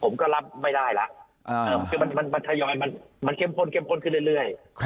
มันเข้มข้นขึ้นเรื่อย